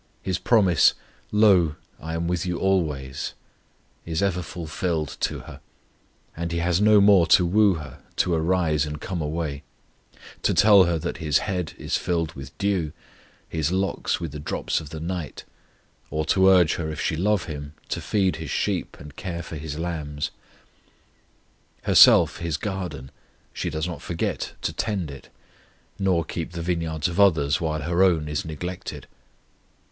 His promise, "Lo, I am with you alway," is ever fulfilled to her; and He has no more to woo her to arise and come away; to tell her that His "head is filled with dew," His "locks with the drops of the night"; or to urge her if she love Him to feed His sheep and care for His lambs. Herself His garden, she does not forget to tend it, nor keep the vineyards of others while her own is neglected.